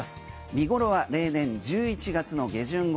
見ごろは例年１１月の下旬頃。